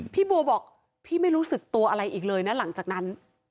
ผมไม่รู้สึกตัวอะไรอีกเลยนะหลังจากนั้น